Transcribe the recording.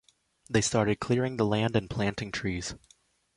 They started clearing the land and planting trees.